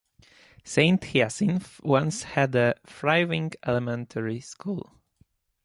Saint Hyacinth once had a thriving elementary school.